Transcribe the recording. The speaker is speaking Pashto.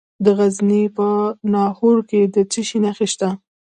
د غزني په ناهور کې د څه شي نښې شته؟